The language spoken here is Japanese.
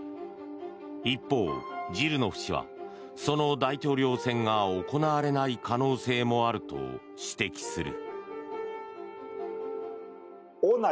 一方、ジルノフ氏はその大統領選が行われない可能性もあると指摘する。